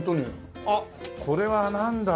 あっこれはなんだろう？